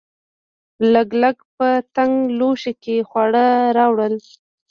لګلګ په تنګ لوښي کې خواړه راوړل.